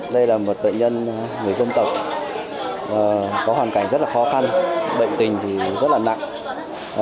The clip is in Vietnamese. đây là một bệnh nhân người dân tộc có hoàn cảnh rất là khó khăn bệnh tình thì rất là nặng